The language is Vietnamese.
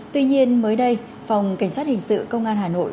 tuy nhiên mới đây phòng cảnh sát hình sự công an hà nội